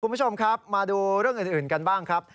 คุณผู้ชมครับมาดูเรื่องอื่นกันบ้างครับ